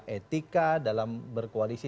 etika dalam berkoalisi